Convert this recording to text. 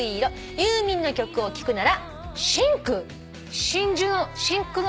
「ユーミンの曲を聴くなら」